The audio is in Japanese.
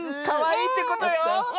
かわいいってことよ！